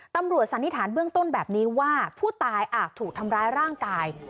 สันนิษฐานเบื้องต้นแบบนี้ว่าผู้ตายอาจถูกทำร้ายร่างกาย